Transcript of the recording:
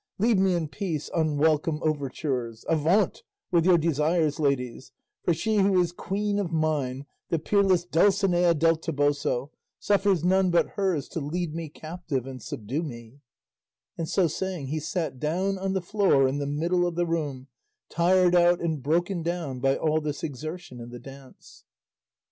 Leave me in peace, unwelcome overtures; avaunt, with your desires, ladies, for she who is queen of mine, the peerless Dulcinea del Toboso, suffers none but hers to lead me captive and subdue me;" and so saying he sat down on the floor in the middle of the room, tired out and broken down by all this exertion in the dance.